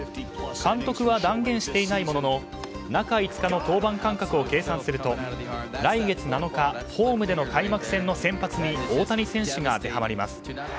監督は断言していないものの中５日の登板間隔を計算すると来月７日ホームでの開幕戦の先発に大谷選手が当てはまります。